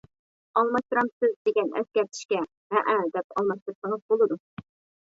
ئالماشتۇرامسىز دېگەن ئەسكەرتىشكە ھەئە دەپ ئالماشتۇرسىڭىز بولىدۇ.